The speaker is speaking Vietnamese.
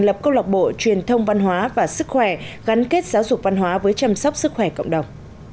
lập câu lạc bộ truyền thông văn hóa và sức khỏe gắn kết giáo dục văn hóa với chăm sóc sức khỏe cộng đồng